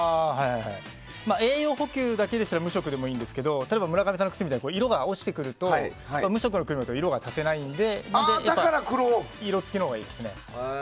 栄養補給だけでしたら無色でいいんですけど例えば村上さんの靴みたいに色が落ちてくると無色のクリームだと色を足せないので色つきのほうがいいですね。